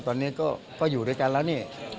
ตอนนี้ก็อยู่ด้วยกันแล้วนี่